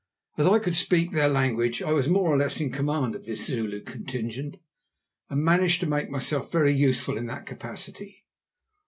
As I could speak their language I was more or less in command of this Zulu contingent, and managed to make myself very useful in that capacity.